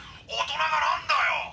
大人がなんだよ！